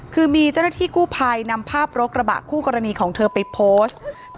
คือมีเจ้าหน้าที่กู้ภัยนำภาพรถกระบะคู่กรณีของเธอไปโพสต์